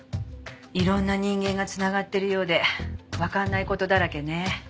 いろんな人間が繋がってるようでわかんない事だらけね。